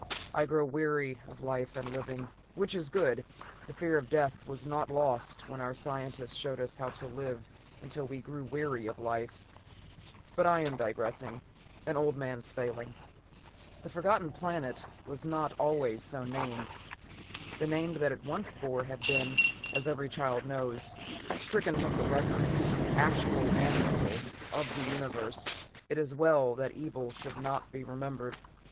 I grow weary of life and living, which is good. The fear of death was lost when our scientists showed us how to live until we grew weary of life. But I am digressing an old man's failing. [Illustration: "It's nothing. Close the exit; we depart at once."] The Forgotten Planet was not always so named. The name that it once bore had been, as every child knows, stricken from the records, actual and mental, of the Universe. It is well that evil should not be remembered.